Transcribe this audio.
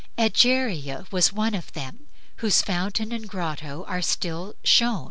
Egeria was one of them, whose fountain and grotto are still shown.